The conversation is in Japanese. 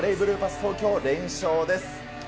東京、連勝です。